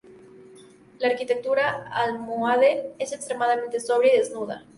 La arquitectura almohade es extremadamente sobria y desnuda.